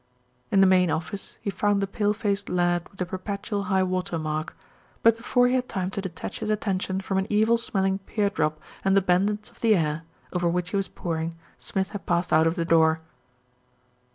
In the main office, he found the pale faced lad with the perpetual high water mark; but before he had time to detach his attention from an evil smelling pear drop and The Bandits of the Air, over which he was poring, Smith had passed out of the door.